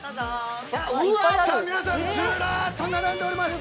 さあ皆さん、ずらっと並んでおります！